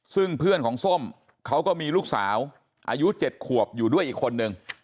ซึ่งเพื่อนของส้มเขาก็มีลูกสาวอายุ๗ขวบอยู่ด้วยอีกคนนึง